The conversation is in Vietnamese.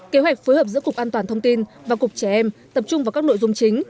kế hoạch phối hợp giữa cục an toàn thông tin và cục trẻ em tập trung vào các nội dung chính